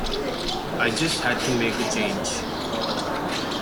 I just had to make a change.